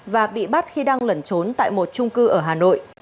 và bị bắt khi đang lẩn trốn tại một trung cư ở hà nội